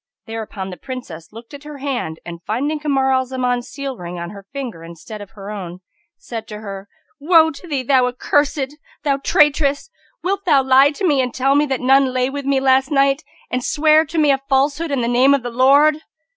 Thereupon the Princess looked at her hand and, finding Kamar al Zaman's seal ring on her finger in stead of her own, said to her, "Woe to thee, thou accursed! thou traitress! wilt thou lie to me and tell me that none lay with me last night and swear to me a falsehood in the name of the Lord?"